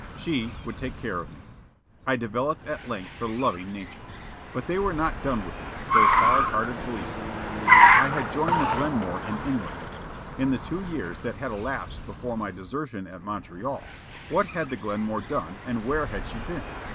She would take care of me. I developed at length her loving nature. But they were not done with me, those hard hearted policemen. I had joined the Glenmore in England; in the two years that had elapsed before my desertion at Montreal, what had the Glenmore done and where had she been?